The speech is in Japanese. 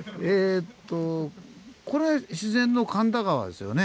これ自然の神田川ですよね。